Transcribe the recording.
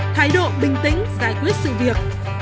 thái độ bình tĩnh giải quyết sự việc